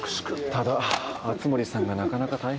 ただ熱護さんがなかなか大変で。